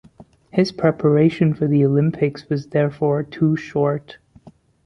His preparation for the Olympics was therefore too short.